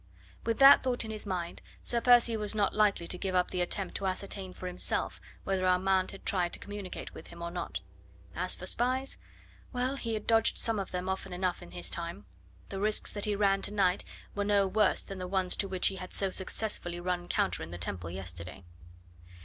With that thought in his mind, Sir Percy was not likely to give up the attempt to ascertain for himself whether Armand had tried to communicate with him or not. As for spies well, he had dodged some of them often enough in his time the risks that he ran to night were no worse than the ones to which he had so successfully run counter in the Temple yesterday.